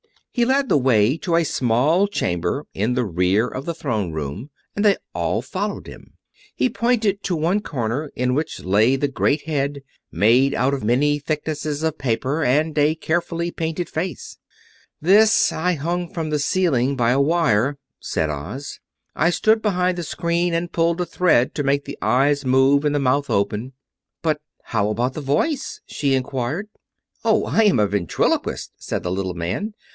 He led the way to a small chamber in the rear of the Throne Room, and they all followed him. He pointed to one corner, in which lay the great Head, made out of many thicknesses of paper, and with a carefully painted face. "This I hung from the ceiling by a wire," said Oz. "I stood behind the screen and pulled a thread, to make the eyes move and the mouth open." "But how about the voice?" she inquired. "Oh, I am a ventriloquist," said the little man.